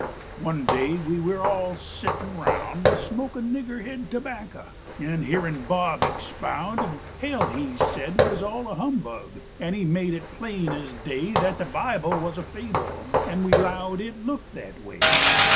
One day we all were sittin' round Smokin' nigger head tobacco And hearing Bob expound; Hell, he said, was all a humbug, And he made it plain as day That the Bible was a fable; And we lowed it looked that way.